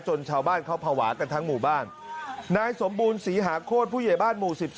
ชาวบ้านเขาภาวะกันทั้งหมู่บ้านนายสมบูรณศรีหาโคตรผู้ใหญ่บ้านหมู่๑๗